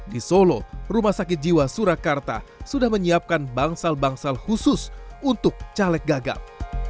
di solo rumah sakit jiwa surakarta sudah menyiapkan bangsal bangsal khusus untuk caleg gagal